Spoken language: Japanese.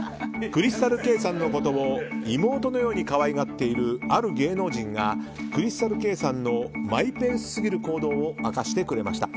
ＣｒｙｓｔａｌＫａｙさんのことを妹のように可愛がっているある芸能人がＣｒｙｓｔａｌＫａｙさんのマイペースすぎる行動を明かしてくれました。